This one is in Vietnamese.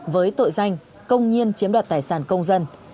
với tội danh công nhiên chiếm đoạt tài sản công dân